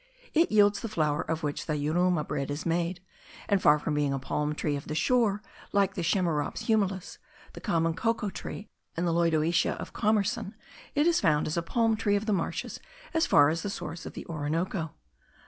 it yields the flour of which the yuruma bread is made; and far from being a palm tree of the shore, like the Chamaerops humilis, the common cocoa tree, and the lodoicea of Commerson, is found as a palm tree of the marshes as far as the sources of the Orinoco.